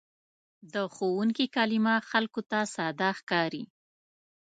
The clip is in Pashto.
د ښوونکي کلمه خلکو ته ساده ښکاري.